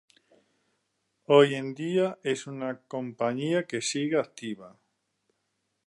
Hoy en día es una compañía que sigue activa.